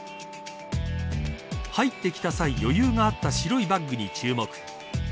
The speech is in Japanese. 入ってきた際、余裕があった白いバッグに注目。